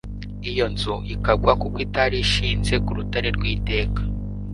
iyo nzu ikagwa kuko itari ishinze ku Rutare rw'iteka,